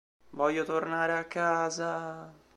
Voglio tornare a casa!